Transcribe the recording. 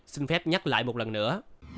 xin phép nhắc lại một lần nữa